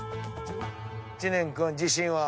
知念君自信は？